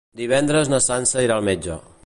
Divendres na Sança irà al metge.